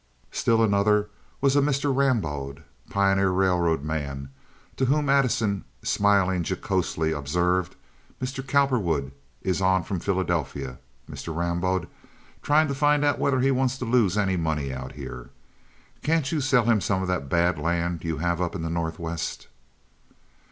Still another was a Mr. Rambaud, pioneer railroad man, to whom Addison, smiling jocosely, observed: "Mr. Cowperwood is on from Philadelphia, Mr. Rambaud, trying to find out whether he wants to lose any money out here. Can't you sell him some of that bad land you have up in the Northwest?"